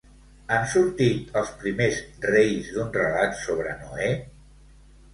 Han sortit els primers reis d'un relat sobre Noè?